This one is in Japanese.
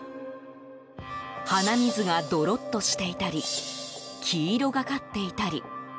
鼻水がドロッとしていたり黄色がかっていたり。